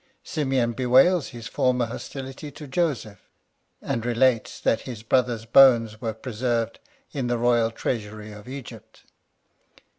Simeon bewails his former hostility to Joseph ; and relates, that his brother's bones were preserved in the Royal treasury of Egypt.